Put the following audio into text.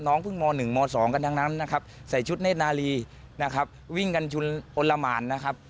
เพิ่งม๑ม๒กันทั้งนั้นนะครับใส่ชุดเนธนาลีนะครับวิ่งกันชุนอนละหมานนะครับ